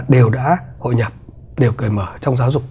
đều đã hội nhập đều cười mở trong giáo dục